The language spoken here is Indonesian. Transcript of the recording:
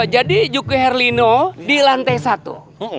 jadi juki herlino di lantai satu